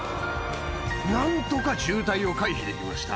なんとか渋滞を回避できました。